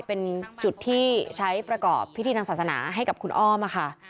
เป็นจุดที่ใช้ประกอบพิธีทางศาสนาให้กับคุณอ้อมค่ะ